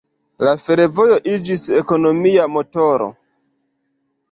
La fervojo iĝis ekonomia motoro.